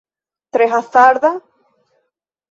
Tre hazarda?